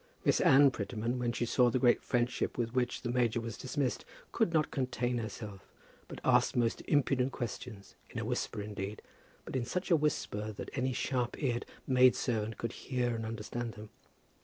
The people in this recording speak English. Miss Anne Prettyman, when she saw the great friendship with which the major was dismissed, could not contain herself, but asked most impudent questions, in a whisper indeed, but in such a whisper that any sharp eared maid servant could hear and understand them.